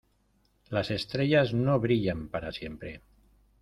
Las estrellas no brillan para siempre.